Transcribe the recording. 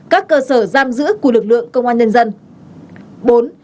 các cơ sở giam giữ của lực lượng công an nhân dân